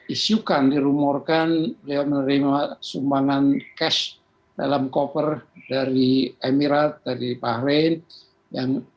isukan dirumorkan beliau menerima sumbangan cash dalam koper dari emirat dari bahrain yang